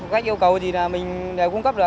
khách yêu cầu thì mình đều cung cấp được